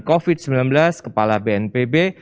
covid sembilan belas kepala bnpb